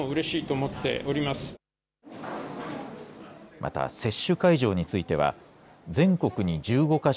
また、接種会場については全国に１５か所